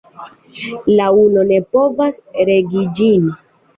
La ulo ne povas regi ĝin.